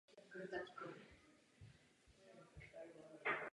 Během svého života však kupoval i jiné majetky na Moravě.